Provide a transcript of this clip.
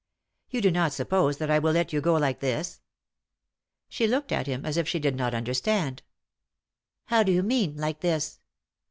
" You do not suppose that I will let you go like this?" She looked at him as if she did not understand. " How do you mean — like this